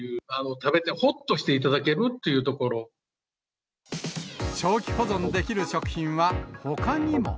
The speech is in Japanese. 食べてほっとしていただけるとい長期保存できる食品はほかにも。